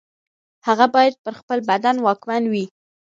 هغه باید پر خپل بدن واکمن وي.